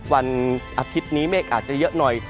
วันอาทิตย์นี้เมฆอาจจะเยอะหน่อย